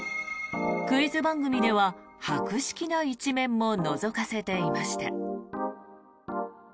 クイズ番組では博識な一面ものぞかせていました。